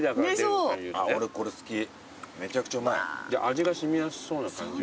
味が染みやすそうな感じ。